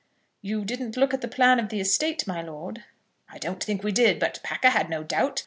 "You didn't look at the plan of the estate, my lord?" "I don't think we did; but Packer had no doubt.